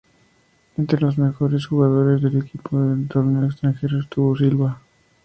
Entre los mejores jugadores del equipo en el torneo extranjero, estuvo Silva.